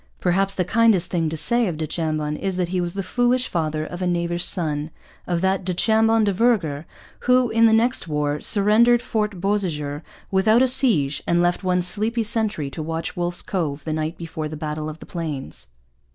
Perhaps the kindest thing to say of du Chambon is that he was the foolish father of a knavish son of that du Chambon de Vergor who, in the next war, surrendered Fort Beausejour without a siege and left one sleepy sentry to watch Wolfe's Cove the night before the Battle of the Plains.